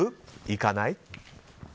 行かない？